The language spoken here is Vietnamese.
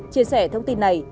chia sẻ thông tin này